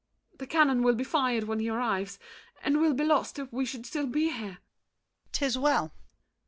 The cannon will be fired when he arrives, And we'll be lost if we should still be here. DIDIER. 'Tis well!